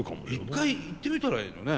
一回行ってみたらいいのにね。